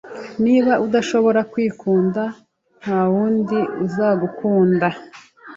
Niba udashobora kwikunda, ntawundi uzagukunda